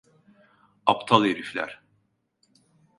Aptal herifler.